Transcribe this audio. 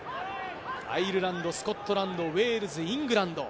アイルランド、スコットランド、ウェールズ、イングランド。